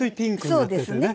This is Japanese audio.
そうですね。